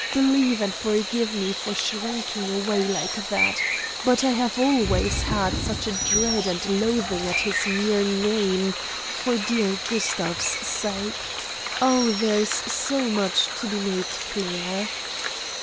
Believe and forgive me for shrinking away like that. But I have always had such a dread and loathing at his mere name, for dear Gustav's sake. Oh, there is so much to be made clear."